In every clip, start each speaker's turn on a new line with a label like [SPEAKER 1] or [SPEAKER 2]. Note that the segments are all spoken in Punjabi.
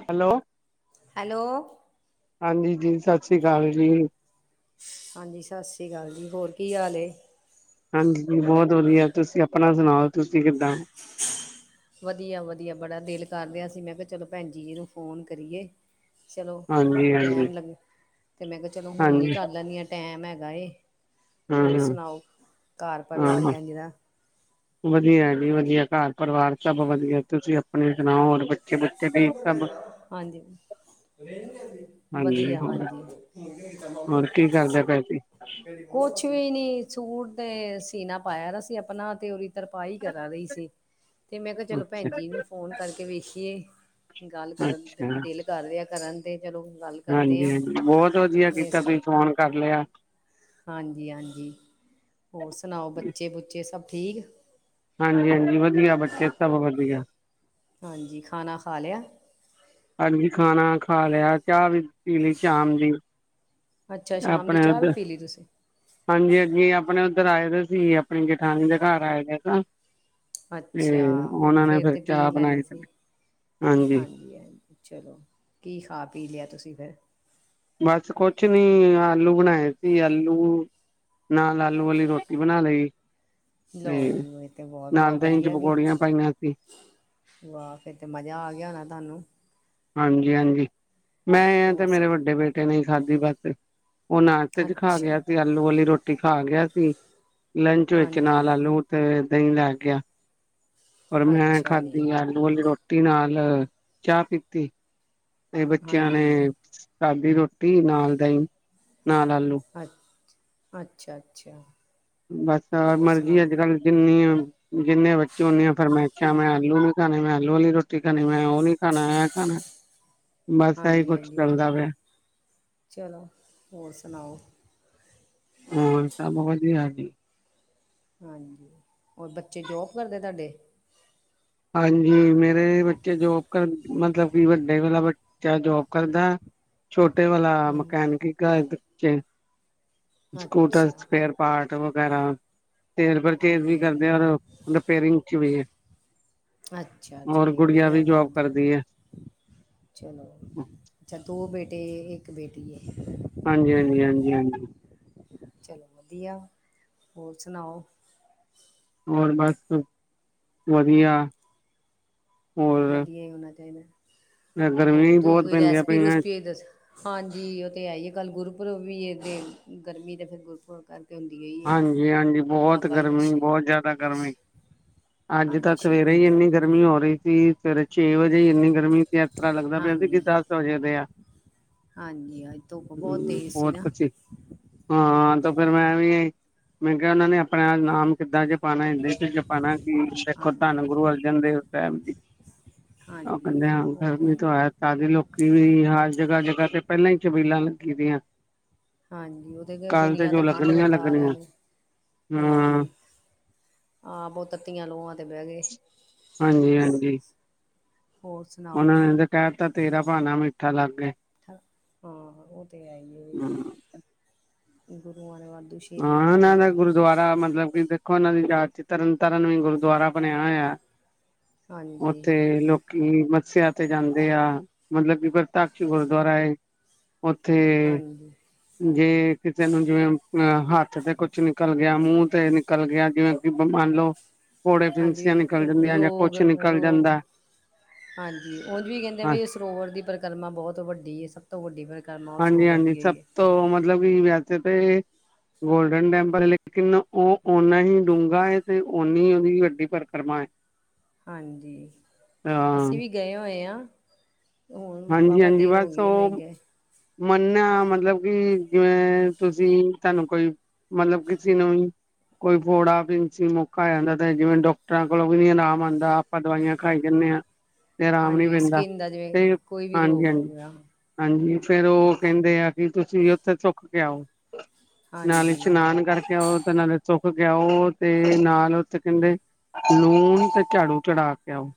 [SPEAKER 1] ਹੈਲੋ,
[SPEAKER 2] ਹੈਲੋ
[SPEAKER 1] ਹਾਂਜੀ ਜੀ ਸਤਿ ਸ੍ਰੀ ਅਕਾਲ ਜੀ।
[SPEAKER 2] ਹਾਂਜੀ ਸਤਿ ਸ੍ਰੀ ਅਕਾਲ ਜੀ ਹੋਰ ਕੀ ਹਾਲ ਐ।
[SPEAKER 1] ਹਾਂਜੀ ਬੋਤ ਵਧੀਆ, ਤੁਸੀਂ ਆਪਣਾ ਸੁਣਾਓ ਤੁਸੀਂ ਕਿੱਦਾਂ।
[SPEAKER 2] ਵਧੀਆ ਵਧੀਆ ਬੜਾ ਦਿਲ ਕਰ ਰੇਆ ਸੀ, ਮੈਂ ਕਿਹਾ ਚਲੋ ਭੈਣ ਜੀ ਨੂੰ ਫੋਨ ਕਰੀਏ। ਚਲੋ
[SPEAKER 1] ਹਾਂਜੀ ਹਾਂਜੀ
[SPEAKER 2] ਟੈਮ ਲੱਗੇ ਤੇ, ਮੈਂ ਕਿਹਾ ਚਲੋ ਹੁਣ ਹੀ
[SPEAKER 1] ਹਾਂਜੀ
[SPEAKER 2] ਕਰ ਲੈਂਦੀ ਹਾਂ ਟੈਮ ਹੈਗਾ ਏ,
[SPEAKER 1] ਹਾਂ
[SPEAKER 2] ਹੋਰ
[SPEAKER 1] ਹਾਂ
[SPEAKER 2] ਸੁਣਾਓ ਘਰ
[SPEAKER 1] ਹਾਂ
[SPEAKER 2] ਪਰਿਵਾਰ
[SPEAKER 1] ਹਾਂ
[SPEAKER 2] ਕਿੰਜ ਦਾ ਹੈ।
[SPEAKER 1] ਵਧੀਆ ਜੀ ਵਧੀਆ ਘਰ ਪਰਿਵਾਰ ਸਭ ਵਧੀਆ, ਤੁਸੀਂ ਆਪਣੇ ਸੁਣਾਓ ਹੋਰ ਬ
[SPEAKER 2] ਹਾਂਜੀ। ਵਧੀਆ ਹਾਂਜੀ।
[SPEAKER 1] ਹੋਰ ਕੀ ਕਰਦੇ ਪਏ ਸੀ
[SPEAKER 2] ਕੁਛ ਵੀ ਨਹੀਂ, ਸੂਟ ਤੇ ਸੀਨਾ ਪਾਇਆ ਦਾ ਸੀ ਆਪਣਾ ਤੇ ਉਹਦੀ ਤਰਪਾਹੀ ਕਰਾ ਰਹੀ ਸੀ। ਤੇ ਮੈਂ ਕਿਹਾ ਚਲੋ ਭੈਣ
[SPEAKER 1] ਅੱਛਾ
[SPEAKER 2] ਜੀ ਨੂੰ ਫੋਨ ਕਰਕੇ ਵੇਖੀਏ। ਗੱਲ ਕਰਨ
[SPEAKER 1] ਅੱਛਾ
[SPEAKER 2] ਦਿਲ ਕਰ ਰਿਹਾ ਕਰਨ ਤੇ ਚਲੋ ਗੱਲ। ਕਰਦੇ
[SPEAKER 1] ਹਾਂਜੀ
[SPEAKER 2] ਹਾਂ
[SPEAKER 1] ਹਾਂਜੀ, ਬੌਤ ਵਧੀਆ ਕੀਤਾ,
[SPEAKER 2] ਵੇਸਟ
[SPEAKER 1] ਤੁਸੀ ਫੋਨ ਕਰ ਲਿਆ।
[SPEAKER 2] ਹਾਂਜੀ ਹਾਂਜੀ, ਹੋਰ ਸੁਣਾਓ ਬੱਚੇ-ਬੁੱਚੇ ਸਭ ਠੀਕ?
[SPEAKER 1] ਹਾਂਜੀ ਹਾਂਜੀ, ਵਧੀਆ ਬੱਚੇ ਸਭ ਵਧੀਆ।
[SPEAKER 2] ਹਾਂਜੀ, ਖਾਣਾ ਖਾ ਲਿਆ?
[SPEAKER 1] ਹਾਂਜੀ, ਖਾਣਾ ਖਾ ਲਿਆ, ਚਾਹ ਵੀ ਪੀ ਲੀ ਸ਼ਾਮ ਦੀ।
[SPEAKER 2] ਅੱਛਾ ਸ਼ਾਮ ਦੀ
[SPEAKER 1] ਅਪਣੇ
[SPEAKER 2] ਚਾਹ
[SPEAKER 1] ਉਧ
[SPEAKER 2] ਵੀ ਪੀ ਲਈ ਤੁਸੀਂ
[SPEAKER 1] ਹਾਂਜੀ ਹਾਂਜੀ, ਅਪਣੇ ਉੱਧਰ ਆਏ ਦੇ ਸੀ ਅਪਣੀ ਜਠਾਣੀ ਦੇ ਘਰ ਆਏ ਦੇ ਸਾਂ। ਤੇ
[SPEAKER 2] ਅੱਛਾ,
[SPEAKER 1] ਉਹਨਾਂ ਨੇ
[SPEAKER 2] ਫੇਰ
[SPEAKER 1] ਫਿਰ
[SPEAKER 2] ਤੇ ਪੀ
[SPEAKER 1] ਚਾਹ
[SPEAKER 2] ਈ ਲੈਣੀ
[SPEAKER 1] ਬਣਾਈ ਤੇ
[SPEAKER 2] ਸੀ। ਹਾਂਜੀ ਹਾਂਜ ਚਲੋ, ਕੀ ਖਾ ਪੀ ਲਿਐ ਤੁਸੀਂ ਫੇਰ?
[SPEAKER 1] ਬਾਸ ਕੋਛ ਨੀ, ਆਲੂ ਬਣਾਏ ਸੀ ਆਲੂ। ਨਾਲ ਆਲੂ ਵਾਲੀ ਰੋਟੀ ਬਣਾ ਲਈ।
[SPEAKER 2] ਲੋ
[SPEAKER 1] ਤੇ
[SPEAKER 2] ਜੀ ਏ ਤੇ ਵੋ ਮੋ
[SPEAKER 1] ਨਾਲ ਦਹੀਂ ਚ
[SPEAKER 2] ਵਧੀਆ ਕੀ
[SPEAKER 1] ਪਕੌੜੀਆਂ ਪਾਈਆਂ ਸੀ
[SPEAKER 2] ਵਾਅ, ਫੇਰ ਤੇ ਮਜ਼ਾ ਆ ਗਿਆ ਹੋਣੈ ਤਾਨੂੰ?
[SPEAKER 1] ਹਾਂਜੀ ਹਾਂਜੀ, ਮੈਂ ਐ
[SPEAKER 2] ਹੋ
[SPEAKER 1] ਤੇ
[SPEAKER 2] ਸ
[SPEAKER 1] ਮੇਰੇ ਵੱਡੇ ਬੇਟੇ ਨੇ ਈ ਖਾਧੀ ਬੱਸ। ਓ ਨਾਸ਼ਤੇ ਚ ਖਾ
[SPEAKER 2] ਅੱਛਾ
[SPEAKER 1] ਗਿਆ ਸੀ, ਆਲੂ ਵਾਲੀ ਰੋਟੀ ਖਾ ਗਿਆ ਸੀ। ਲੰਚ ਵਿੱਚ ਨਾਲ
[SPEAKER 2] ਹਾਂਜੀ
[SPEAKER 1] ਆਲੂ ਤੇ ਦਹੀਂ ਲੈ ਗਿਆ। ਔਰ ਮੈਂ
[SPEAKER 2] ਅੱਛਾ ਜੀ
[SPEAKER 1] ਖਾਧੀ ਆਲੂ ਆਲੀ ਰੋਟੀ ਨਾਲ ਚਾਹ ਪੀਤੀ। ਏ ਬੱਚਿਆਂ ਨੇ
[SPEAKER 2] ਹਾਂਜੀ
[SPEAKER 1] ਖਾਦੀ ਰੋਟੀ ਨਾਲ ਦਹੀਂ ਨਾਲ ਆਲੂ‌।
[SPEAKER 2] ਅੱਛ ਅੱਛਾ, ਅੱਛਾ।
[SPEAKER 1] ਬਸ ਅ
[SPEAKER 2] ਹੋਰ
[SPEAKER 1] ਮਰਜੀ
[SPEAKER 2] ਸੁਣਾਓ
[SPEAKER 1] ਅੱਜ-ਕੱਲ ਜਿੰਨੀ ਅ ਜਿੰਨੇ ਬੱਚੇ ਉਣੀਆ ਫਰਮੈਸਾ਼। ਮੈਂ ਆਲੂ ਨੀ ਖਾਣੇ ਮੈਂ ਆਲੂ ਆਲੀ ਰੋਟੀ ਖਾਣੀ, ਮੈਂ ਓਹ ਨੀ ਖਾਣਾ ਐਂ ਖਾਣੈ।
[SPEAKER 2] ਹਾਂਜੀ ਹਾਂਜੀ, ਓ ਤੇ ਐ।
[SPEAKER 1] ਪਿਆ
[SPEAKER 2] ਚਲੋ, ਹੋਰ ਸੁਣਾਓ?
[SPEAKER 1] ਹੋਰ ਸਭ ਵਧੀਆ ਜੀ।
[SPEAKER 2] ਹਾਂਜੀ, ਔਰ ਬੱਚੇ ਜੋਬ ਕਰਦੇ ਤਾਡੇ?
[SPEAKER 1] ਹਾਂਜੀ ਮੇਰੇ ਬੱਚੇ ਜੋਬ ਕਰ ਮਤਲਬ ਕਿ ਵੱਡੇ ਵਾਲਾ ਬੱਚਾ ਆ ਜੋਬ ਕਰਦੈ। ਛੋਟੇ ਵਾਲਾ
[SPEAKER 2] ਹਾਂਜੀ
[SPEAKER 1] ਮਕੈਨਿਕੀ ਕਧ ਚੇ। ਸਕੂਟਰ,
[SPEAKER 2] ਅੱਛਾ
[SPEAKER 1] ਸਪੇਅਰ ਪਾਰਟ ਵਗੈਰਾ। ਸੇਲ ਪਰਚੇਜ਼ ਵੀ
[SPEAKER 2] ਹਾਂਜੀ
[SPEAKER 1] ਕਰਦੇ
[SPEAKER 2] ਹਾਂਜੀ
[SPEAKER 1] ਔਰ ਓ ਰਿਪੇਰਿੰਗ ਚ ਵੀ ਏ।
[SPEAKER 2] ਅੱਛਾ, ਚਲੋ ਵਧੀਐ
[SPEAKER 1] ਵੀ ਜੋਬ
[SPEAKER 2] ਕੰਮ ਤੇ
[SPEAKER 1] ਕਰਦੀ ਹੈ
[SPEAKER 2] ਵਧੀਆ। ਚਲੋ, ਅੱਛਾ ਦੋ ਬੇਟੇ ਏਕ ਬੇਟੀ ਏ।
[SPEAKER 1] ਹਾਂਜੀ, ਹਾਂਜੀ, ਹਾਂਜੀ, ਹਾਂਜੀ।
[SPEAKER 2] ਚਲੋ ਵਧੀਆ, ਹੋਰ ਸੁਣਾਓ?
[SPEAKER 1] ਹੋਰ ਬਸ, ਵਧੀਆ। ਹੋਰ
[SPEAKER 2] ਵਧੀਆ ਈ ਹੋਣਾ ਚਾਈਦੈ। ਹੋਰ
[SPEAKER 1] ਗਰਮੀ
[SPEAKER 2] ਤੁਸੀਂ
[SPEAKER 1] ਬਹੁਤ
[SPEAKER 2] ਕੋਈ
[SPEAKER 1] ਪੈਂਦੀਆਂ ਪਈਆਂ
[SPEAKER 2] ਰੈਸਪੀ-ਰੂਸਪੀ ਦਸ, ਹਾਂਜੀ ਓ ਤੇ ਹੈ ਈਏ। ਕੱਲ ਗੁਰਪੁਰਬ ਵੀ ਏ, ਤੇ ਗਰਮੀ ਤੇ ਫੇਰ ਗੁਰਪੁਰਬ ਕਰ
[SPEAKER 1] ਹਾਂਜੀ ਹਾਂਜੀ, ਬੋਤ
[SPEAKER 2] ਦਾ
[SPEAKER 1] ਗਰਮੀ
[SPEAKER 2] ਸ਼ਹੀ
[SPEAKER 1] ਬੌਤ ਜਾਦਾ ਗਰਮੀ। ਅੱਜ ਤਾਂ
[SPEAKER 2] ਹਾਂਜੀ
[SPEAKER 1] ਸਵੇਰੇ
[SPEAKER 2] ਸ਼ਹੀਦੀ
[SPEAKER 1] ਈ
[SPEAKER 2] ਦਿਹਾੜਾ
[SPEAKER 1] ਏਨੀ ਗਰਮੀ ਹੋ ਰਈ ਸੀ। ਸਵੇਰੇ ਛੇ ਵਜੇ ਹੀ ਇੰਨੀ ਗਰਮੀ ਸੀ, ਐਸ ਤਰਾ ਲੱਗਦਾ ਪਿਆ ਸੀ ਬੀ
[SPEAKER 2] ਹਾਂਜੀ
[SPEAKER 1] ਦਸ ਬਜੇ ਦੇ ਆ।
[SPEAKER 2] ਹਾਂਜੀ, ਅੱਜ ਧੁੱਪ ਬੌਤ
[SPEAKER 1] ਹੂੰ,
[SPEAKER 2] ਤੇਜ਼ ਸੀ
[SPEAKER 1] ਬਹੁਤ
[SPEAKER 2] ਨਾ।
[SPEAKER 1] ਕੁਛ ਹਾਂ, ਤੋ ਫਿਰ ਮੈਂ ਵੀ ਮੈਂ ਕਿਆ ਔਨਾਂ ਨੇ ਅਪਣਾ ਨਾਮ ਕਿੱਦਾਂ ਜ ਪਾਣੀ, ਹਿੰਦੀ ਚ ਜਪਾਣੈ ਕਿ ਦੇਖੋ
[SPEAKER 2] ਹਾਂਜੀ
[SPEAKER 1] ਧੰਨ ਗੁਰੂ
[SPEAKER 2] ਹੋਰ
[SPEAKER 1] ਅਰਜਨ ਦੇਵ ਸੈਬ ਜੀ। ਓਹ
[SPEAKER 2] ਹਾਂਜੀ
[SPEAKER 1] ਕੈੰਦੇ ਹਾਂ
[SPEAKER 2] ਉਹ ਤੇ
[SPEAKER 1] ਗਰਮੀ
[SPEAKER 2] ਹੈ
[SPEAKER 1] ਤੋਂ ਆਏ ਸਾਰੇ ਲੋਕੀ ਵੀ ਹਰ ਜਗ੍ਹਾ-ਜਗ੍ਹਾ ਤੇ ਪੈਲਾਂ ਈ ਚਬੀਲਾਂ ਲੱਗੀ ਦੀਐਂ।
[SPEAKER 2] ਹਾਂਜੀ, ਓਤੇ ਗਏ ਦੁਨੀਆਂ ਤੇ ਠੰਡ
[SPEAKER 1] ਲੱਗਣੀਆਂ
[SPEAKER 2] ਵਰਤਾ ਸਾਰੀਆਂ
[SPEAKER 1] ਲੱਗਣੀਆਂ
[SPEAKER 2] ਦੀ,
[SPEAKER 1] ਹਾਂ
[SPEAKER 2] ਹਾਂਜੀ ਹਾਂ ਬੋ ਤੱਤੀਆਂ ਲੋਆਂ ਤੇ ਬੈ ਗਏ।
[SPEAKER 1] ਹਾਂਜੀ, ਹਾਂਜੀ।
[SPEAKER 2] ਹੋਰ ਸੁਣਾ
[SPEAKER 1] ਓਨਨਾਂ ਨੇ ਤੇ ਕੈ ਤਾ ਤੇਰਾ ਭਾਣਾ ਮਿੱਠਾ ਲਾਗੇ।
[SPEAKER 2] ਹਾਂ, ਓ ਤੇ ਹੈ ਈ ਏ।
[SPEAKER 1] ਹੂੰ
[SPEAKER 2] ਗੁਰੂਆਂ ਨੇ ਵਾਧੂ ਸ਼ਹੀਦੀਆਂ
[SPEAKER 1] ਹਾਂ ਨਾ-ਨਾ
[SPEAKER 2] ਪਾਈਆਂ
[SPEAKER 1] ਗੁਰ ਗੁਰਦੁਆਰਾ ਮਤਲਬ ਕਿ ਦੇਖੋ ਓਹਨਾਂ ਦੀ ਯਾਦ ਚ ਤਰਨ ਤਾਰਨ ਵੀ ਗੁਰਦੁਆਰਾ ਬਣਿਆ ਹੋਇਐ।
[SPEAKER 2] ਹਾਂਜੀ
[SPEAKER 1] ਉੱਥੇ ਲੋਕ ਕੀ ਮੱੱਸਿਆ ਤੇ ਜਾਂਦੇ ਆ, ਮਤਲਬ ਕਿ ਪ੍ਰਥਾਕਸ਼ ਗੁਰਦੁਆਰਾ ਏ। ਉੱਥੇ
[SPEAKER 2] ਹਾਂਜੀ
[SPEAKER 1] ਜੇ ਕਿਸੇ ਨੂੰ ਜਿਵੇਂ ਅਮ ਅਹ ਹੱਥ ਤੇ ਕੁਛ ਨਿਕਲ ਗਿਆ, ਮੂੰਹ ਤੇ ਨਿਕਲ ਗਿਆ, ਜਿਵੇਂ ਮੰਨ ਲੋ ਫੋੜੇ
[SPEAKER 2] ਹਾਂਜੀ
[SPEAKER 1] ਫਿਂਸੀਆਂ
[SPEAKER 2] ਵੀ
[SPEAKER 1] ਨਿਕਲ ਜਾਂਦੀਆਂ, ਜਾਂ
[SPEAKER 2] ਰੋਗ
[SPEAKER 1] ਕੁਛ ਨਿਕਲ
[SPEAKER 2] ਰੋਗ
[SPEAKER 1] ਜਾਂਦੈ।
[SPEAKER 2] ਹਾਂਜੀ ਉਹ ਵੀ ਕੈਂਦੇ ਪਏ ਸ ਸਰੋਵਰ ਦੀ ਪਰਿਕਰਮਾ ਬਹੁਤ ਵੱਡੀ ਏ, ਸਭ ਤੋਂ ਵੱਡੀ ਪਰਿਕਰਮਾ ਉਹ
[SPEAKER 1] ਹਾਂਜੀ
[SPEAKER 2] ਸਰੋਵਰ
[SPEAKER 1] ਹਾਂਜੀ
[SPEAKER 2] ਦੀ ਹੀ
[SPEAKER 1] ਸਭ
[SPEAKER 2] ਏ।
[SPEAKER 1] ਮਤਲਬ ਕਿ ਵੈਸੇ ਤੇ ਗੋਲਡਨ ਟੈਂਪਲ ਲੇਕਿਨ ਉਹ ਓਨਾ ਹੀ ਡੂੰਘਾ ਏ, ਤੇ ਓਨੀ ਉਹਦੀ ਵੱਡੀ ਪਰਕਰਮਾ ਏ।
[SPEAKER 2] ਹਾਂਜੀ।
[SPEAKER 1] ਹਾਂ
[SPEAKER 2] ਅਸੀਂ ਵੀ ਗਏ ਹੋਏ ਹਾਂ। ਹੁਣ ਵਾਹ-ਵਾਹ ਦੇਰ ਹੋ ਗਈ ਏ ਨਹੀਂ ਗਏ।
[SPEAKER 1] ਮੰਨੇਆ ਮਤਲਬ ਕਿ ਜਿਵੇਂ ਤੁਸੀਂ ਸਾਨੂੰ ਕੋਈ ਮਤਲਬ ਕਿਸੇ ਨੂੰ ਵੀ ਕੋਈ ਫੋੜਾ, ਫਿੰਸੀ, ਮੌਕਾ ਆ ਜਾਂਦਾ ਤੇ ਜਿਵੇਂ ਡਾਕਟਰਾਂ ਕੋਲੋਂ ਵੀ ਨੀ ਆਰਾਮ ਆਂਦਾ ਆਪਾਂ ਦਵਾਈਆਂ ਖਾਈ ਜਾਣੇ ਆਂ। ਤੇ ਰਾਮ ਨੀ
[SPEAKER 2] ਹਾਂਜੀ
[SPEAKER 1] ਪੈਂਦਾ
[SPEAKER 2] ਸਕਿੰਨ ਦਾ ਜਿਵੇਂ
[SPEAKER 1] ਤੇ
[SPEAKER 2] ਕੋਈ ਵੀ
[SPEAKER 1] ਹਾਂਜੀ,
[SPEAKER 2] ਰੋਗ ਹੋ
[SPEAKER 1] ਹਾਂਜੀ।
[SPEAKER 2] ਗਿਆ
[SPEAKER 1] ਹਾਂਜੀ ਫੇਰ ਓ ਕੈਂਦੇ ਆ ਕਿ ਤੁਸੀਂ ਉੱਥੇ ਸੁੱਖ ਕੇ ਆਓ ਨਾਲੇ
[SPEAKER 2] ਹਾਂਜੀ
[SPEAKER 1] ਸ਼ਨਾਨ ਕਰਕੇ ਆਓ ਤੇ ਨਾਲੇ ਸੁੱਖ ਕੇ ਆਓ ਤੇ ਨਾਲ ਓਥੇ ਕੈਂਦੇ ਲੂਣ ਤੇ ਝਾੜੂ ਚੜਾ ਕੇ ਆਓ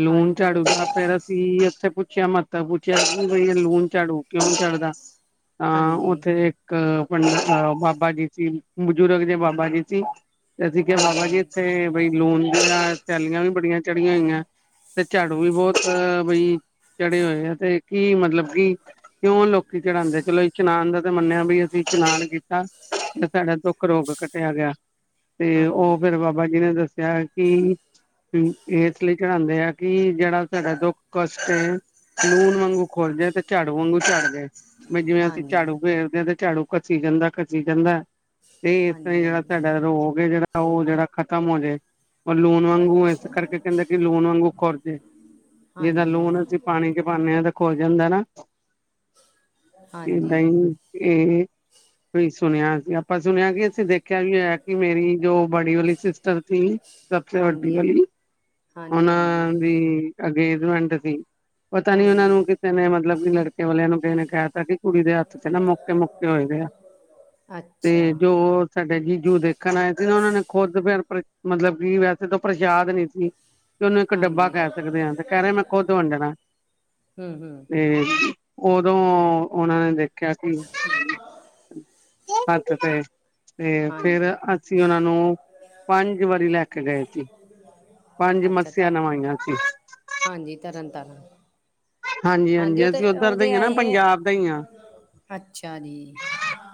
[SPEAKER 1] ਲੂਣ,
[SPEAKER 2] ਹਾਂਜੀ ਉਹ
[SPEAKER 1] ਝਾੜੂ ਤੇ ਫੇਰ ਅਸੀਂ ਉੱਥੇ ਮੱਤਵ ਪੁੱਛਿਆ ਬਈ ਲੂਣ ਝਾੜੂ ਕਿਉਂ ਚੜ੍ਹਦਾ ਤਾਂ
[SPEAKER 2] ਹਾਂਜੀ
[SPEAKER 1] ਉੱਥੇ ਜੇ [inaudible] ਇੱਕ ਪੰਡਤ ਆਇਆ ਬਾਾਬਾ ਕੀ ਸੀ ਬੁਜ਼ੁਰਗ ਜੇ ਬਾਾਬਾ ਕੀ ਸੀ। ਤੇ ਅਸੀਂ ਕਿਆ
[SPEAKER 2] ਹਾਂਜੀ
[SPEAKER 1] ਬਾਬਾ ਜੀ
[SPEAKER 2] ਹਾਂਜੀ
[SPEAKER 1] ਇੱਥੇ ਬਈ ਲੂਣ ਦੀਆਂ ਥੈਲੀਆਂ ਵੀ ਬੜੀਆਂ ਚੜੀਆਂ ਹੋਈਆਂ ਤੇ ਝਾੜੂ ਵੀ ਬੌਤ ਬਈ ਚੜ੍ਹੇ ਹੋਏ ਆ ਤੇ ਕੀ ਮਤਲਬ ਕੀ? ਕਿਉਂ ਲੋਕੀ ਚੜਾਂਦੇ ਚਲੋ ਇਸ਼ਨਾਨ ਦਾ ਤੇ ਮੰਨਿਆ ਬੀ ਅਸੀਂ ਇਸ਼ਨਾਨ ਕੀਤਾ। ਬੀ ਸਾਡਾ ਦੁੱਖ ਰੋਗ ਕੱਟਿਆ ਗਿਆ ਤੇ ਓ
[SPEAKER 2] ਹਾਂਜੀ
[SPEAKER 1] ਫਿਰ ਬਾ ਬਾ ਜੀ ਨੇ ਦੱਸਿਆ ਐ ਕਿ ਕੀ ਇਸ ਲਈ ਚੜਾਂਦੇ ਆ ਕਿ ਜਿੜਾ ਤਾਡਾ ਦੁੱਖ ਕਸ਼ਟ ਏ ਲੂਣ ਵਾਂਗੂ ਖੋਰ ਜੇ ਤੇ ਝਾੜੂ ਵਾਂਗੂ ਝੜ ਜਾਏ ਬੀ
[SPEAKER 2] ਹਾਂਜੀ
[SPEAKER 1] ਜਿਵੇਂ ਅਸੀਂ
[SPEAKER 2] ਹਾਂਜੀ
[SPEAKER 1] ਝਾੜੂ ਫੇਰਦੇ ਤੇ ਝਾੜੂ ਘੱਸੀ ਜਾਂਦਾ, ਘੱਸੀ ਜਾਂਦਾ ਤੇ ਇਸ ਤਰ੍ਹਾਂ ਈ ਜਿੜਾ
[SPEAKER 2] ਹਾਂਜੀ
[SPEAKER 1] ਤਾਡਾ ਰੋਗ ਏ ਜਿੜਾ ਤਾਂ ਓ ਜਿੜਾ ਖ਼ਤਮ ਹੋ ਜੇ। ਲੂਣ ਵਾਂਗੂ ਇਸ
[SPEAKER 2] ਅੱਛਾ
[SPEAKER 1] ਕਰਕੇ ਕੈਂਦੇ ਕਿ ਲੂਣ ਵਾਂਗੂ ਖੁਰਜੇ ਜਿਦਾ
[SPEAKER 2] ਹਾਂਜੀ
[SPEAKER 1] ਲੂਣ ਅਸੀਂ
[SPEAKER 2] ਹਾਂਜੀ
[SPEAKER 1] ਪਾਣੀ ਚ ਪਾਨੇ ਆਂ ਤਾ ਖੋਰ ਜਾਂਦਾ ਨਾ ਏਦਾਂ
[SPEAKER 2] ਹਾਂਜੀ
[SPEAKER 1] ਈ ਇਹ ਵੀ ਸੁਣਿਆ ਸੀ ਆਪਾਂ ਸੁਣਿਆ ਕਿ ਅਸੀ ਦੇਖਿਆ ਵੀ ਹੋਇਆ ਕਿ ਮੇਰੀ ਜੋ ਬੜੀ ਵਾਲੀ ਸਿਸ ਟਰ ਥੀ ਸਭਸੇ ਵੱਡੀ
[SPEAKER 2] ਹਾਂਜੀ
[SPEAKER 1] ਵਾਲੀ
[SPEAKER 2] ਹਾਂਜੀ ਹਾਂਜੀ
[SPEAKER 1] ਉਨਾਂ ਦੀ ਅੰਗੇਜਮੈਂਟ ਸੀ। ਪਤਾ ਨੀ ਉਨਾਂ
[SPEAKER 2] ਹਾਂਜੀ
[SPEAKER 1] ਨੂੰ ਕਿਸੇ ਨੇ ਮਤਲਬ ਕਿ ਲੜਕੇ ਵਾਲਿਆਂ ਨੂੰ ਕਿਹੇ ਨੇ ਕੈ ਤਾ ਕਿ ਕੁੜੀ ਦੇ ਹੱਥ ਚ ਨਾ ਮੌਕੇ-ਮੌਕੇ ਹੋਏ ਦੇ ਆ ਤੇ
[SPEAKER 2] ਅੱਛਾ
[SPEAKER 1] ਜੋ ਸਾਡੇ ਜੀਜੂ ਦੇਖਣ ਆਏ ਸੀ ਨਾ ਉਨਾਂ ਨੇ ਖੁਦ ਫਿਰ ਪਰ ਮਤਲਬ ਕਿ ਵੈਸੇ ਤਾਂ ਪ੍ਰਸ਼ਾਦ ਨੀ ਸੀ ਤੇ ਉਨੂੰ ਇੱਕ ਡੱਬਾ
[SPEAKER 2] ਹਾਂਜੀ
[SPEAKER 1] ਕਹਿ ਸਕਦੇ ਆਂ ਤੇ ਕੈ ਰੇ ਮੈਂ ਖੁਦ ਵੰਡਣਾ।
[SPEAKER 2] ਹੁੰ ਹੁੰ
[SPEAKER 1] ਤੇ ਓਦੋਂ ਓਨਾਂ ਨੇ ਦੇਖ ਆ ਸੀ ਹਥ ਤੇ। ਤੇ ਫੇਰ
[SPEAKER 2] ਹਾਂਜੀ
[SPEAKER 1] ਅਸੀਂ ਓਨਾਂ ਨੂੰ ਪੰਜ ਵਾਰੀ ਲੈ ਕੇ ਗਏ ਸੀ ਪੰਜ
[SPEAKER 2] ਅੱਛਾ
[SPEAKER 1] ਮੱਸਿਆ
[SPEAKER 2] ਤਾਂ
[SPEAKER 1] ਨਵਾਈਆਂ ਸੀ।
[SPEAKER 2] ਹਾਂਜੀ, ਤਰਨ ਤਾਰਨ। ਹਾਂਜੀ ਓ
[SPEAKER 1] ਹਾਂਜੀ-ਹਾਂਜੀ
[SPEAKER 2] ਤੇ,
[SPEAKER 1] ਅਸੀਂ
[SPEAKER 2] ਓ
[SPEAKER 1] ਉੱਧਰ ਦੇ
[SPEAKER 2] ਤੇ
[SPEAKER 1] ਹੀ ਆ
[SPEAKER 2] ਹੈ
[SPEAKER 1] ਨਾ
[SPEAKER 2] ਈ ਏ
[SPEAKER 1] ਪੰਜਾਬ ਦਾ ਹੀ ਆ।
[SPEAKER 2] ਅੱਛਾ ਜੀ।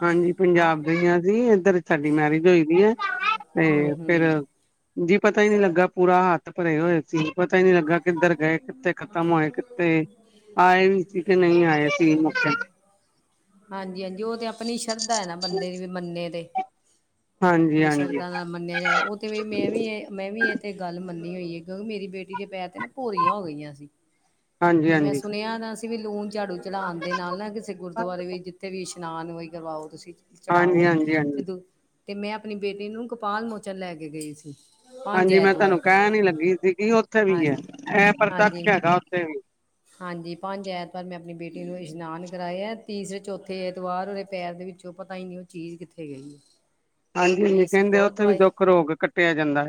[SPEAKER 1] ਹਾਂਜੀ,
[SPEAKER 2] ਆ
[SPEAKER 1] ਪੰਜਾਬ ਦੇ ਈ ਆਂ ਅਸੀ ਇੱਧਰ ਸਾਡੀ ਮੈਰਿਜ ਹੋਈ ਦੀ ਆ
[SPEAKER 2] ਹੂੰ
[SPEAKER 1] ਤੇ ਫੇਰ
[SPEAKER 2] ਹੂੰ
[SPEAKER 1] ਜੀ ਪਤਾ ਈ ਨੀ ਲੱਗਾ ਪੂਰਾ ਹੱਥ ਭਰੇ ਹੋਏ ਸੀ ਪਤਾ ਈ ਨੀ ਲੱਗਾ ਕਿੱਧਰ ਗਏ ਕਿੱਥੇ ਖ਼ਤਮ ਹੋਏ ਕਿੱਥੇ ਆਏ ਵੀ ਸੀ ਕਿ ਨਈ ਆਏ ਸੀੇ ਮੌਕੇ।
[SPEAKER 2] ਹਾਂਜੀ, ਹਾਂਜੀ ਓ ਤੇ ਆਪਣੀ ਸ਼ਰਧਾ ਐ ਨਾ ਬੰਦੇ ਦੀ ਵੀ ਮੰਨੇ ਤੇ।
[SPEAKER 1] ਹਾਂਜੀ
[SPEAKER 2] ਬਈ
[SPEAKER 1] ਹਾਂਜੀ
[SPEAKER 2] ਸ਼ਰਧਾ ਨਾਲ ਮੰਨਿਆ ਜਾਏ ਓ ਤੇ ਵਈ ਮੈਂ ਵੀ ਐ ਮੈਂ ਵੀ ਐ ਤੇ ਗੱਲ ਮੰਨੀ ਹੋਈ ਏ ਕਿਉਂਕਿ ਮੇਰੀ ਬੇਟੀ ਦੇ ਪੈਰ ਤੇ ਨਾ ਭੋਰੀਆਂ ਹੋ ਗਈਆਂ ਸੀ
[SPEAKER 1] ਹਾਂਜੀ
[SPEAKER 2] ਤੇ ਮੈਂ
[SPEAKER 1] ਹਾਂਜੀ
[SPEAKER 2] ਸੁਣਿਆ ਨਾ ਵੀ ਲੂਣ ਝਾੜੂ ਚੜਾਣ ਦੇ ਨਾਲ ਨਾ ਕਿਸੇ ਗੁਰਦੁਆਰੇ ਵੀ ਜਿੱਥੇ ਵੀ ਇਸ਼ਨਾਨ ਵਈ ਕਰਵਾਓ ਤੁਸੀ
[SPEAKER 1] ਹਾਂਜੀ ਹਾਂਜੀ
[SPEAKER 2] ਚੜਾਓ
[SPEAKER 1] ਹਾਂਜੀ
[SPEAKER 2] ਤੇ ਦ ਤੇ ਮੈਂ ਆਪਣੀ ਬੇਟੀ ਨੂੰ ਕਪਾਲ ਮੋਚਨ ਲੈ ਕੇ ਗਈ ਸੀ। ਪੰਜ
[SPEAKER 1] ਹਾਂਜੀ ਮੈਂ
[SPEAKER 2] ਐਤਵਾਰ
[SPEAKER 1] ਤਾਨੂੰ ਕੈਣ ਈ ਲੱਗੀ ਸੀਗੀ ਉੱਥੇ ਵੀ ਐ
[SPEAKER 2] ਹਾਂਜੀ
[SPEAKER 1] ਐ ਪ੍ਰਤੱਕਸ਼
[SPEAKER 2] ਹਾਂਜੀ
[SPEAKER 1] ਹੈਗਾ ਉੱਥੇ ਵੀ।
[SPEAKER 2] ਹਾਂਜੀ ਪੰਜ ਐਤਵਾਰ ਮੈਂ ਆਪਣੀ ਬੇਟੀ ਨੂੰ ਇਸ਼ਨਾਨ ਕਰਵਾਇਆ ਤੀਸਰੇ, ਚੌਥੇ ਐਤਵਾਰ ਉਹਦੇ ਪੈਰ ਦੇ ਵਿੱਚ ਤੇ ਉਹ ਪਤਾ ਹੀ ਨੀ ਉਹ ਚੀਜ਼ ਕਿੱਥੇ ਗਈ ਹੈ। ਬਈ
[SPEAKER 1] ਹਾਂਜੀ-ਹਾਂਜੀ
[SPEAKER 2] ਅਸੀਂ
[SPEAKER 1] ਕਹਿੰਦੇ
[SPEAKER 2] ਬਹੁਤ
[SPEAKER 1] ਉੱਥੇ ਵੀ
[SPEAKER 2] ਦਵਾਏ
[SPEAKER 1] ਦੁੱਖ ਰੋਗ ਕੱਟਿਆ ਜਾਂਦਾ।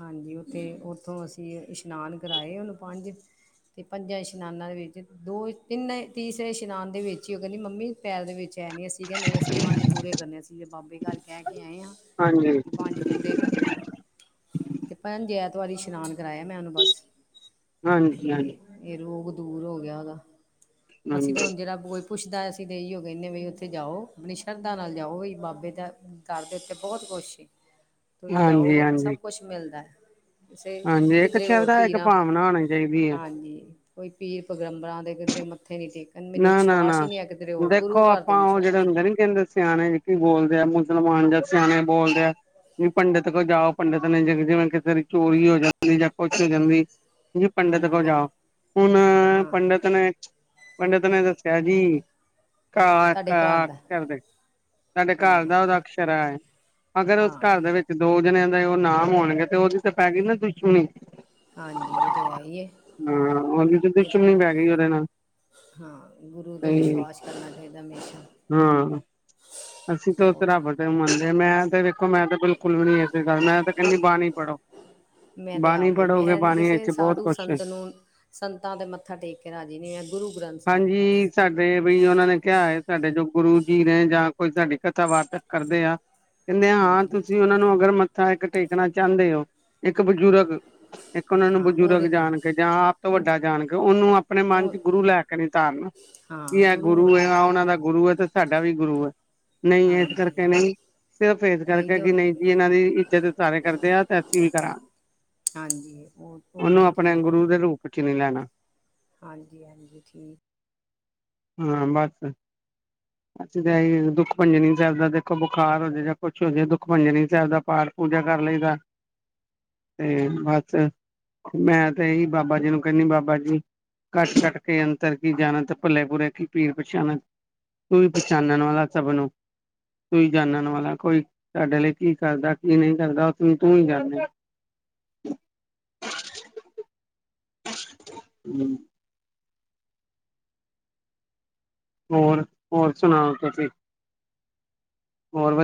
[SPEAKER 2] ਹਾਂਜੀ ਉਥੇ ਉੱਥੋਂ ਅਸੀਂ ਇਸ਼ਨਾਨ ਕਰਾਏ ਉਹਨੂੰ ਪੰਜ ਤੇ ਪੰਜਾਂ ਇਸ਼ਨਾਨਾਂ ਦੇ ਵਿੱਚ ਦੋ ਤਿੰਨ ਤੀਸਰੇ ਇਸ਼ਨਾਨ ਦੇ ਵਿੱਚ ਹੀ ਉਹ ਕਹਿੰਦੀ ਮੰਮੀ ਪੈਰ ਦੇ ਵਿੱਚ ਕਹਿ ਨੀ ਅਸੀਂ ਕਿ ਨਹੀਂ ਅਸੀਂ ਪੰਜ ਪੂਰੇ ਕਰਨੇ ਅਸੀਂ ਬਾਬੇ ਘਰ ਕਹਿ ਕੇ ਆਏ ਆ,
[SPEAKER 1] ਹਾਂਜੀ
[SPEAKER 2] ਤੇ ਪੰਜ ਪੂਰੇ ਕਰਨੇ ਆ, ਤੇ ਭੈਣ ਜੀ ਐਤਵਾਰ ਇਸ਼ਨਾਨ ਕਰਾਇਆ ਮੈਂ ਉਹਨੂੰ। ਬਸ,
[SPEAKER 1] ਹਾਂਜੀ ਹਾਂਜੀ
[SPEAKER 2] ਤੇ ਇਹ ਰੋਗ ਦੂਰ ਹੋ ਗਿਆ ਉਹਦਾ। ਅਸੀਂ ਤੇ
[SPEAKER 1] ਹਾਂਜੀ
[SPEAKER 2] ਹੁਣ ਜਿਹੜਾ ਪੁੱਛਦਾ ਅਸੀਂ ਤਾਂ ਇਹਓ ਕਹਿੰਨੇ ਵੀ ਉੱਥੇ ਜਾਓ ਆਪਣੀ ਸ਼ਰਧਾ ਨਾਲ ਜਾਓ ਵਈ ਬਾਬੇ ਦਾ ਘਰ ਦੇ ਉੱਥੇ ਬਹੁਤ ਕੁਸ਼ ਸੀ। ਤੁਸੀਂ
[SPEAKER 1] ਹਾਂਜੀ
[SPEAKER 2] ਜਾਓਗੇ
[SPEAKER 1] ਹਾਂਜੀ
[SPEAKER 2] ਸਭ ਕੁਛ ਮਿਲਦਾ,
[SPEAKER 1] ਹਾਂਜੀ ਇੱਕ
[SPEAKER 2] ਕਿਧਰੇ ਹੋਰ
[SPEAKER 1] ਚੱਲਦਾ ਇੱਕ
[SPEAKER 2] ਪੀਰਾਂ,
[SPEAKER 1] ਭਾਵਨਾ ਹੋਣੀ ਚਾਹੀਦੀ ਹੈ
[SPEAKER 2] ਹਾਂਜੀ ਕੋਈ ਪੀਰ ਪੈਗੰਬਰਾਂ ਦੇ ਕਿਧਰੇ ਮੱਥੇ ਨੀ ਟੇਕ ਕਹਿੰਦੇ ਮੈਨੂੰ
[SPEAKER 1] ਨਾ ਨਾ
[SPEAKER 2] ਵਿਸ਼ਵਾਸ ਹੀ
[SPEAKER 1] ਨਾ
[SPEAKER 2] ਨੀ ਹੈ ਕਿ ਤੇਰੇ ਹੋਰ ਗੁਰੂ
[SPEAKER 1] ਦੇਖੋ
[SPEAKER 2] ਘਰ ਤੇ
[SPEAKER 1] ਆਪਾਂ ਉਹ ਜਿਹੜੇ
[SPEAKER 2] ਵਿਸ਼ਵਾਸ।
[SPEAKER 1] ਹੁੰਦੇ ਨੀ ਕਹਿੰਦੇ ਸਿਆਣੇ ਜੀ ਬੋਲਦੇ ਆ ਮੁਸਲਮਾਨ ਜਾਂ ਸਿਆਣੇ ਬੋਲਦੇ ਆ। ਵੀ ਪੰਡਿਤ ਕੋਲ ਜਾਓ ਪੰਡਿਤ ਨੇ ਜਿਵੇਂ ਕਿਸੇ ਦੀ ਚੋਰੀ ਹੋ ਜਾਂਦੀ ਜਾਂ ਕੁਛ ਹੋ ਜਾਂਦੀ। ਜੀ ਪੰਡਿਤ
[SPEAKER 2] ਹਾਂਜੀ
[SPEAKER 1] ਕੋਲ
[SPEAKER 2] ਮੈਂ
[SPEAKER 1] ਜਾਓ, ਹੁਣ
[SPEAKER 2] ਹਾਂ
[SPEAKER 1] ਪੰਡਿਤ ਨੇ ਪੰਡਿਤ ਨੇ ਦੱਸਿਆ ਜੀ, ਕ
[SPEAKER 2] ਤੁਹਾਡੇ ਘਰ
[SPEAKER 1] ਕ
[SPEAKER 2] ਦਾ
[SPEAKER 1] ਕਰਦੇ। ਸਾਡੇ
[SPEAKER 2] ਹਾਂ
[SPEAKER 1] ਘਰ ਦਾ ਉਹਦਾ ਅਕਸ਼ਰਾ ਹੈ ਅਗਰ ਉਸ
[SPEAKER 2] ਹਾਂ
[SPEAKER 1] ਘਰ ਦੇ ਵਿੱਚ ਤੇ ਦੋ ਜਣਿਆਂ ਦਾ ਉਹ ਨਾਮ ਹੋਣਗੇ ਤੇ ਉਹਦੀ ਤਾਂ ਪੈ ਗਈ ਨਾ ਦੁਸ਼ਮਣੀ।
[SPEAKER 2] ਹਾਂਜੀ ਉਹ ਤੇ ਹੈ ਹੀ ਹੈ
[SPEAKER 1] ਹਾਂ ਉਹਦੀ ਤੇ ਦੁਸ਼ਮਣੀ ਪੈ ਗਈ ਉਹਦੇ ਨਾਲ।
[SPEAKER 2] ਹਾਂ ਗੁਰੂ ਤੇ ਵਿਸ਼ਵਾਸ ਕਰਨਾ ਚਾਹੀਦਾ ਹਮੇਸ਼ਾ।
[SPEAKER 1] ਹਾਂ ਅਸੀਂ ਤਾਂ
[SPEAKER 2] ਹੋਰ
[SPEAKER 1] ਰੱਬ ਤੇ ਮੰਨਦੇ ਮੈਂ ਤੇ ਦੇੇਖੋ ਮੈਂ ਤੇ ਬਿਲਕੁਲ ਵੀ ਨੀ ਇਸ ਗੱਲ ਮੈਂ ਤੇ ਕਹਿੰਨੀ ਬਾਣੀ ਪੜ੍ਹੋ।
[SPEAKER 2] ਮੈਂ ਤੇ
[SPEAKER 1] ਬਾਣੀ
[SPEAKER 2] ਆਪ ਈ
[SPEAKER 1] ਪੜ੍ਹੋਗੇ
[SPEAKER 2] ਮੈਂ
[SPEAKER 1] ਬਾਣੀ
[SPEAKER 2] ਕਿਸੇ
[SPEAKER 1] ਵਿੱਚ ਬਹੁਤ
[SPEAKER 2] ਸਾਧੂ
[SPEAKER 1] ਕੁਛ ਏ।
[SPEAKER 2] ਸੰਤ ਨੂੰ ਸੰਤਾਂ ਤੇ ਮੱਥਾ ਟੇਕ ਕੇ ਰਾਜੀ ਨੀ ਆ ਗੁਰੂ ਗ੍ਰੰਥ ਸਾਹਿਬ ਬਸ।
[SPEAKER 1] ਕਰਦੇ ਬਈ ਉਹਨਾ ਕਿਆ ਹੈ ਸਾਡੇ ਜੋ ਗੁਰੂ ਜੀ ਨੇ ਜਾਂ ਕੋਈ ਸਾਡੀ ਕਥਾ ਵਾਰਤਕ ਕਰਦੇ ਆ ਕਹਿੰਦੇ ਹਾਂ
[SPEAKER 2] ਹਾਂਜੀ
[SPEAKER 1] ਤੁਸੀਂ ਉਹਨਾ ਨੂੰ ਅਗਰ ਮੱਥਾ ਇੱਕ ਟੇਕਣਾ ਚਾਦੇ ਹੋ ਇੱਕ ਬਜ਼ੁਰਗ, ਇੱਕ ਉਹਨਾਂ ਨੂੰ
[SPEAKER 2] ਹਾਂ
[SPEAKER 1] ਬਜ਼ੁਰਗ
[SPEAKER 2] ਉਹਦੇ ਤਾਂ
[SPEAKER 1] ਜਾਣ ਕੇ ਜਾਂ ਆਪ ਤੋਂ ਵੱਡਾ ਜਾਣ ਕੇ ਉਹਨੂੰ ਆਪਣੇ ਮਨ 'ਚ ਗੁਰੂ
[SPEAKER 2] ਉਹ
[SPEAKER 1] ਲੈ ਕੇ ਨੀ ਧਾਰਨਾ,
[SPEAKER 2] ਹਾਂ
[SPEAKER 1] ਕੀ ਇਹ
[SPEAKER 2] ਨੂੰ
[SPEAKER 1] ਗੁਰੂ
[SPEAKER 2] ਨੀ
[SPEAKER 1] ਐ ਆ
[SPEAKER 2] ਮੱਥਾ
[SPEAKER 1] ਉਹਨਾਂ ਦਾ ਗੁਰੂ ਏ ਤੇ ਸਾਡਾ ਵੀ ਗੁਰੂ ਏ। ਨਹੀਂ ਇਸ
[SPEAKER 2] ਹਾਂਜੀ
[SPEAKER 1] ਕਰਕੇ ਨਹੀਂ ਸਿਰਫ ਫੇਸ
[SPEAKER 2] ਕਈ
[SPEAKER 1] ਕਰਕੇ
[SPEAKER 2] ਤੇ
[SPEAKER 1] ਕਿ ਨਹੀਂ ਜੀ ਇਹਨਾਂ ਦੀ ਇੱਜਤ ਸਾਰੇ ਕਰਦੇ ਆ ਤੇ ਅਸੀਂ ਵੀ ਕਰਾਂਗੇ।
[SPEAKER 2] ਹਾਂਜੀ ਹੋਰ ਉਹ ਗੱਲ ਠੀਕ ਏ।
[SPEAKER 1] ਕੁਛ ਨੀ ਲੈਨਾ।
[SPEAKER 2] ਹਾਂਜੀ-ਹਾਂਜੀ ਠੀਕ।
[SPEAKER 1] ਹਾਂ, ਬੱਸ [unintelligible] ਦੁੱਖ ਭਜਨੀ ਸਾਹਿਬ ਦਾ ਦੇਖੋ ਬੁਖਾਰ ਹੋ ਜਾਵੇ ਜਾਂ ਕੁਛ ਹੋ ਜਾਵੇ ਦੁੱਖ ਭਜਨੀ ਸਾਹਿਬ ਦਾ ਪਾਠ ਪੂਜਾ ਕਰ ਲਈਦਾ।
[SPEAKER 2] [inaudible]
[SPEAKER 1] ਤੇ ਬਸ, ਮੈਂ ਤੇ ਇਹੀ ਬਾਬਾ ਜੀ ਨੂੰ ਕਹਿੰਨੀ ਬਾਬਾ ਜੀ ਕੱਟ ਕੱਟ ਕੇ ਅੰਤਰ ਕੀ ਜਾਣਤ ਭਲੇ ਬੁਰੇ ਕੀ ਪੀਰ ਪਛਾਣਤ। ਤੂੰ ਵੀ ਪਛਾਣਣ ਵਾਲਾ ਸਭ ਨੂੰ। ਤੂੰ ਈ ਜਾਨਣ ਵਾਲਾ ਕੋਈ, ਸਾਡੇ ਲਈ ਕੀ ਕਰਦਾ ਕੀ ਨਹੀਂ ਕਰਦਾ ਉਸਨੂੰ ਤੂੰ ਹੀ ਜਾਨੇ। ਹੂੰ ਹੋਰ, ਹੋਰ ਸੁਣਾਓ ਤੁਸੀਂ। ਹੋਰ [unintelligible]